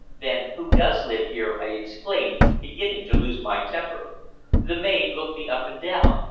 "Then who does live here?" I exclaimed, beginning to lose my temper. The maid looked me up and down.